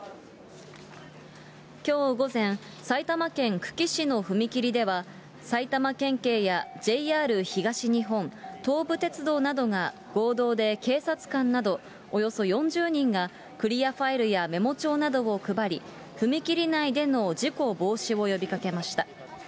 きょう午前、埼玉県久喜市の踏切では、埼玉県警やＪＲ東日本、東武鉄道などが合同で警察官などおよそ４０人がクリアファイルやメモ帳などを配り、踏切内での事故防止を呼びかけました。